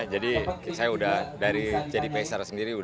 jadi saya sudah dari jadi peser sendiri